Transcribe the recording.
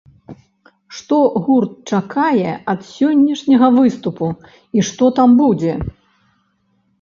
Што гурт чакае ад сённяшняга выступу і што там будзе?